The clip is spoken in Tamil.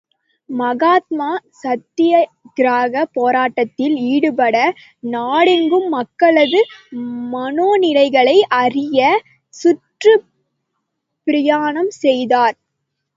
மகாத்மா, சத்தியாக்கிரகப் போராட்டத்தில் ஈடுபட, நாடெங்கும் மக்களது மனோநிலைகளை அறிய சுற்றுப் பிரயாணம் செய்தார்.